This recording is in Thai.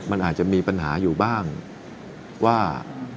มันอาจจะมีปัญหาอยู่บ้างว่า